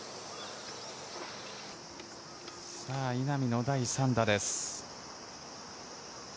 稲見の第３打です。